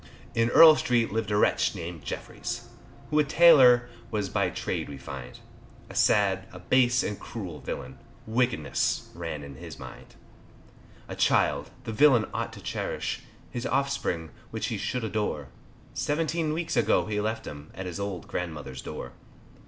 In Earl Street lived a wretch named Jefferys, Who a tailor was by trade we find, A sad, a base, and cruel villain, Wickedness ran in his mind; A child, the villain ought to cherish, His offspring which he should adore, Seventeen weeks ago he left him, At his old Grandmother's door.